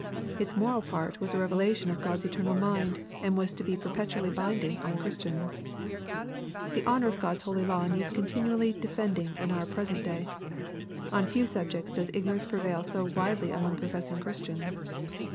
Its moral part was a revelation of God's eternal mind, and was to be per petually binding on Christians. Tho honor of God's holy law needs continually de fending in the present day. On few subjects does ignorance prevail so widely among professing Christians.